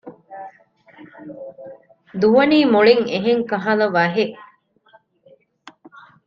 ދުވަނީ މުޅިން އެހެން ކަހަލަ ވަހެއް